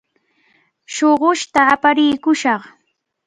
Shuqushta aparikushaq.